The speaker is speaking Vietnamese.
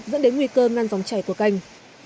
dẫn đến nguy cơ ngăn dòng chảy của canh